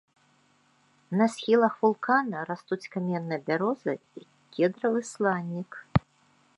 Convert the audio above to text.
На схілах вулкана растуць каменная бяроза і кедравы сланік.